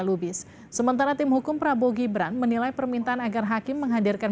lubis sementara tim hukum prabowo gibran menilai permintaan agar hakim menghadirkan